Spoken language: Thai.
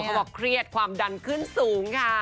ว่าเครียดความดันขึ้นสูงค่ะ